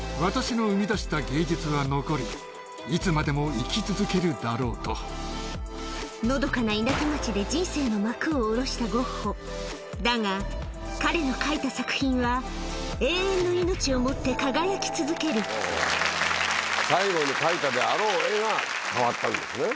そしてを選んだゴッホのどかな田舎町で人生の幕を下ろしたゴッホだが彼の描いた作品は永遠の命を持って輝き続ける最後に描いたであろう絵が変わったんですね。